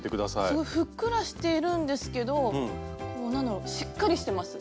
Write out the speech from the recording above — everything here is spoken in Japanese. すごいふっくらしているんですけど何だろしっかりしてます。